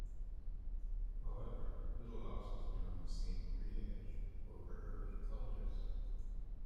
However, little else is known of Saint Breage or her early cultus.